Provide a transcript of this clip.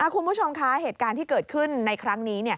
คุณผู้ชมคะเหตุการณ์ที่เกิดขึ้นในครั้งนี้